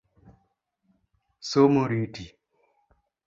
Somo riti.